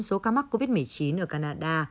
số ca mắc covid một mươi chín ở canada